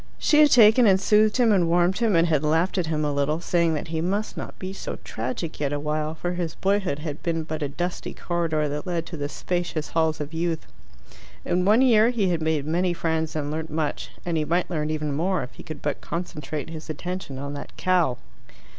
She had taken and soothed him, and warmed him, and had laughed at him a little, saying that he must not be so tragic yet awhile, for his boyhood had been but a dusty corridor that led to the spacious halls of youth. In one year he had made many friends and learnt much, and he might learn even more if he could but concentrate his attention on that cow.